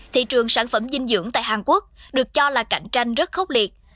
thị trường sản phẩm dinh dưỡng tại hàn quốc được cho là cạnh tranh rất khốc liệt